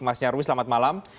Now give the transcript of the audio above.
mas nyarwi selamat malam